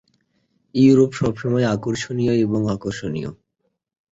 Europe সবসময়ই আকর্ষণীয় এবং আকর্ষণীয়।